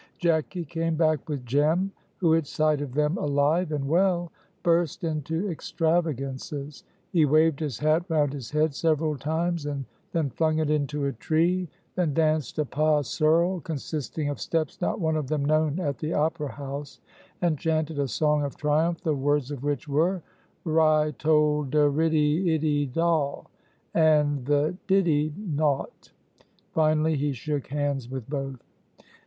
Jacky came back with Jem, who, at sight of them alive and well, burst into extravagances. He waved his hat round his head several times and then flung it into a tree; then danced a pas seul consisting of steps not one of them known at the opera house, and chanted a song of triumph the words of which were, Ri tol de riddy iddydol, and the ditty naught; finally he shook hands with both.